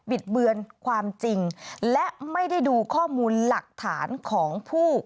ดเบือนความจริงและไม่ได้ดูข้อมูลหลักฐานของผู้